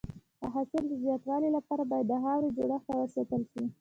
د حاصل د زیاتوالي لپاره باید د خاورې جوړښت ښه وساتل شي.